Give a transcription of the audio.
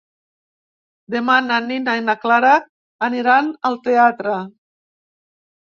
Demà na Nina i na Clara aniran al teatre.